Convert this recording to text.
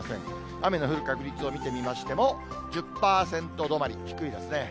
雨の降る確率を見てみましても、１０％止まり、低いですね。